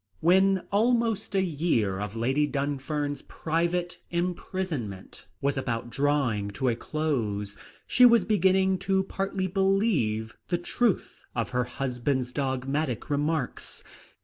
When almost a year of Lady Dunfern's private imprisonment was about drawing to a close, she was beginning to partly believe the truth of her husband's dogmatic remarks.